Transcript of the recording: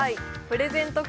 プレゼント